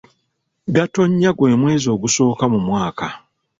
Gatonnya gwe mwezi ogusooka mu mwaka.